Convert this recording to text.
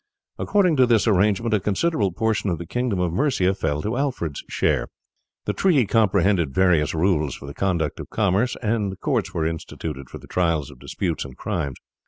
According to this arrangement a considerable portion of the kingdom of Mercia fell to Alfred's share. The treaty comprehended various rules for the conduct of commerce, and courts were instituted for the trial of disputes and crimes.